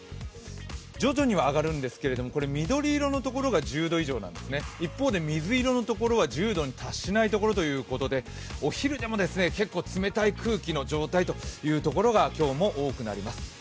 徐々には上がるんですが、緑色のところが１０度以上なんです、一方で水色のところは１０度に達しないところということで、お昼でも結構冷たい空気の状態というところが多くなります。